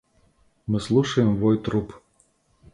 Мы слушаем вой труб.